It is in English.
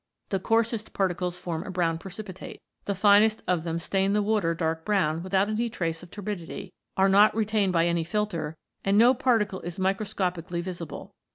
The coarsest particles form a brown precipitate. The finest of them stain the water dark brown without any trace of turbidity, are not retained by any filter, and no particle is microscopically visible.